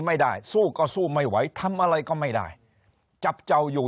ไม่ได้สู้ก็สู้ไม่ไหวทำอะไรก็ไม่ได้จับเจ้าอยู่